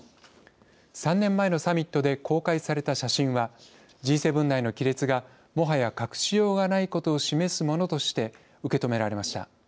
３年前のサミットで公開された写真はＧ７内の亀裂がもはや隠しようがないことを示すものとして受け止められました。